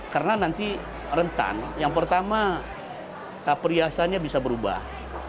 karena nanti rentan yang pertama perhiasannya bisa berubah